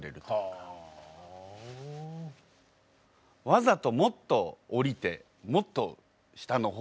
わざともっと降りてもっと下の方まで。